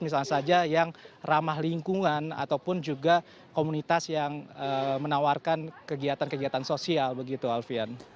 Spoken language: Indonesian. misalnya saja yang ramah lingkungan ataupun juga komunitas yang menawarkan kegiatan kegiatan sosial begitu alfian